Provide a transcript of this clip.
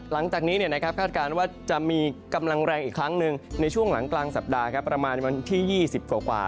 หลังจากนี้คาดการณ์ว่าจะมีกำลังแรงอีกครั้งหนึ่งในช่วงหลังกลางสัปดาห์ประมาณวันที่๒๐กว่า